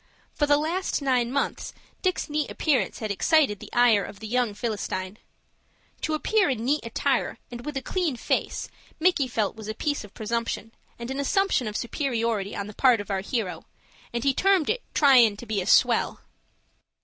For the last nine months, Dick's neat appearance had excited the ire of the young Philistine. To appear in neat attire and with a clean face Micky felt was a piece of presumption, and an assumption of superiority on the part of our hero, and he termed it "tryin' to be a swell."